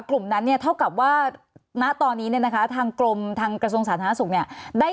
กลุ่มนั้นเนี่ยเท่ากับว่าณตอนนี้เนี่ยนะคะทางกรมทางกระทรวงสาธารณสุขเนี่ยได้